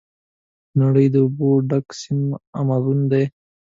د نړۍ د اوبو ډک سیند امازون دی.